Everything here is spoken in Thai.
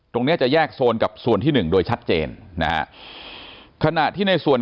เนี้ยจะแยกโซนกับส่วนที่หนึ่งโดยชัดเจนนะฮะขณะที่ในส่วน